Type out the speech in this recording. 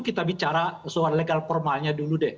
kita bicara soal legal formalnya dulu deh